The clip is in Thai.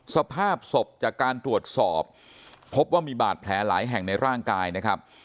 สภาพศพจากการตรวจสอบพบว่ามีบาดแผลหลายแห่งในร่างกายนะครับ